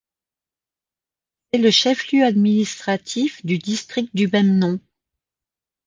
C'est le chef-lieu administratif du district du même nom.